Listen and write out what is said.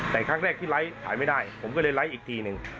แต่ครั้งแรกที่ไลค์ขายไม่ได้ผมก็เลยไลค์อีกทีหนึ่ง